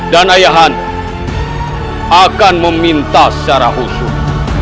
dan ayah anda akan meminta secara khusus